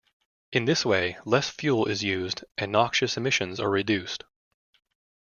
In this way, less fuel is used, and noxious emissions are reduced.